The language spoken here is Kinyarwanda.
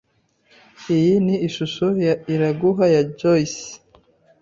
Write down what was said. Iyi ni ishusho ya Iraguha na Joyce.